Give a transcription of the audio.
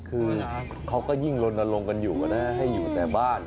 คือเขาก็ยิ่งลนลงกันอยู่นะให้อยู่แต่บ้าน